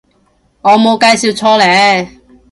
我冇介紹錯呢